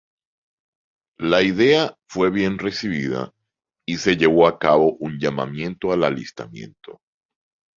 La idea fue bien recibida y se llevó a cabo un llamamiento al alistamiento.